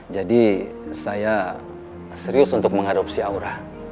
jadi saya serius untuk mengadopsi aura